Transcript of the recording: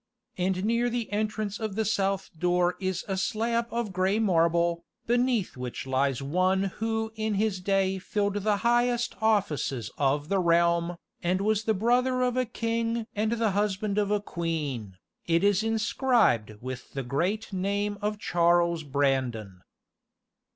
And near the entrance of the south door is a slab of grey marble, beneath which lies \one who in his day filled the highest offices of the realm, and was the brother of a king and the husband of a queen. It is inscribed with the great name of Charles Brandon.